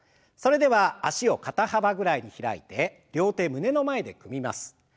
それでは脚を肩幅ぐらいに開いて両手胸の前で組みます。